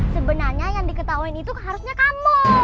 sebenarnya yang diketahui itu harusnya kamu